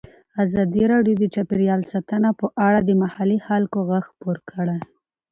ازادي راډیو د چاپیریال ساتنه په اړه د محلي خلکو غږ خپور کړی.